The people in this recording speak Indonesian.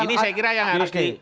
ini saya kira yang harus di